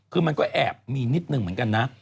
คือมันก็แอบมีนิดหนึ่งเหมือนกันนะ